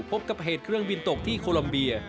พบกับเหตุเครื่องบินตกที่โคลัมเบีย